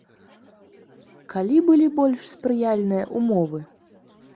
Калі былі больш спрыяльныя ўмовы?